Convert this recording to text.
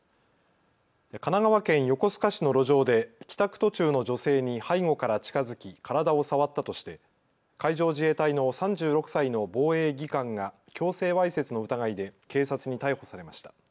神奈川県横須賀市の路上で帰宅途中の女性に背後から近づき体を触ったとして海上自衛隊の３６歳の防衛技官が強制わいせつの疑いで警察に逮捕されました。